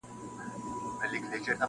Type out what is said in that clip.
يوه بوډا په ساندو- ساندو ژړل-